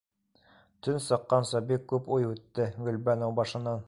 Төн сыҡҡансы бик күп уй үтте Гөлбаныу башынан.